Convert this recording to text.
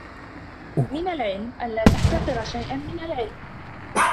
مِنْ الْعِلْمِ أَنْ لَا تَحْتَقِرَ شَيْئًا مِنْ الْعِلْمِ